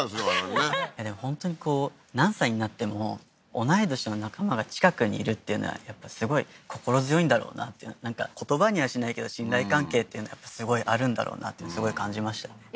我々ねでも本当にこう何歳になっても同い年の仲間が近くにいるっていうのはやっぱすごい心強いんだろうなっていうなんか言葉にはしないけど信頼関係っていうのすごいあるんだろうなってすごい感じましたよ